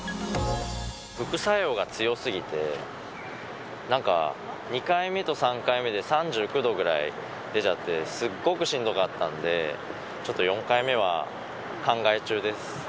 副作用が強すぎて、なんか２回目と３回目で３９度ぐらい出ちゃって、すっごくしんどかったんで、ちょっと４回目は考え中です。